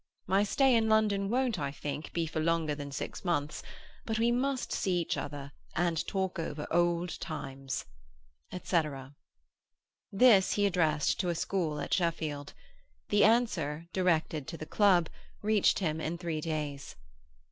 My stay in London won't, I think, be for longer than six months, but we must see each other and talk over old times," etc. This he addressed to a school at Sheffield. The answer, directed to the club, reached him in three days.